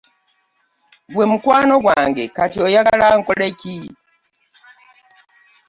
Gwe mukwano gwange kati oyagala nkole ki!?